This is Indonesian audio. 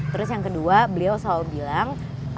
terus yang kedua beliau selalu bilang